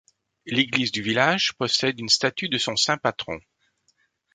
L'église du village possède une statue de son saint patron.